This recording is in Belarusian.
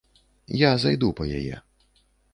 Я зайду па яе.